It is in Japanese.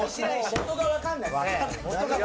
元が分かんない。